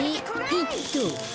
ピッと。